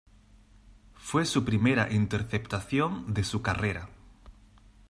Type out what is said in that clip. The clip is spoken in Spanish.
Fue su primera interceptación de su carrera.